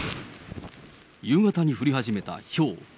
夕方に降り始めたひょう。